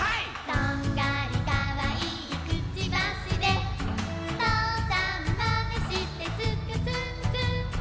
「とんがりかわいいくちばしで」「とうさんまねしてつくつんつん」